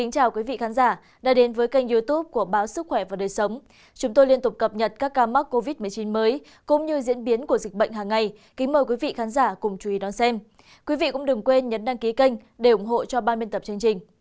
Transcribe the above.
các bạn hãy đăng ký kênh để ủng hộ cho ba bên tập chương trình